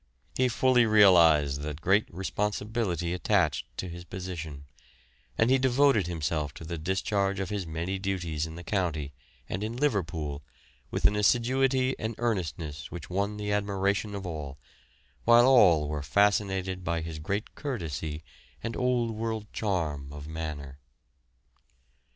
He fully realised that great responsibility attached to his position, and he devoted himself to the discharge of his many duties in the county and in Liverpool with an assiduity and earnestness which won the admiration of all, while all were fascinated by his great courtesy and old world charm of manner.